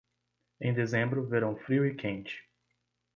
Em dezembro, verão frio e quente.